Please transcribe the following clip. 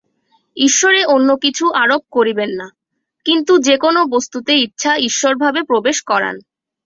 ঈশ্বরে অন্য কিছু আরোপ করিবেন না, কিন্তু যে-কোন বস্তুতে ইচ্ছা ঈশ্বরভাব প্রবেশ করান।